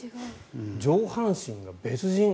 上半身が別人。